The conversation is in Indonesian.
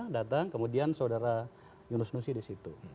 datang kemudian saudara yunus nusi di situ